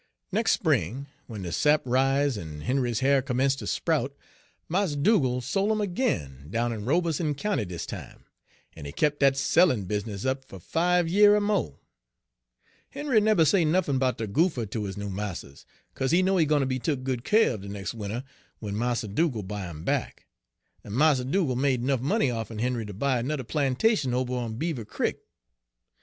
"Nex' spring, w'en de sap ris en Henry's ha'r commence' ter sprout, Mars Dugal' sole 'im ag'in, down in Robeson County dis time; en he kep' dat sellin' business up fer five year er mo'. Henry Page 28 nebber say nuffin 'bout de goopher ter his noo marsters, 'caze he know he gwine ter be tuk good keer uv de nex' winter, w'en Mars Dugal' buy him back. En Mars Dugal' made 'nuff money off'n Henry ter buy anudder plantation ober on Beaver Crick.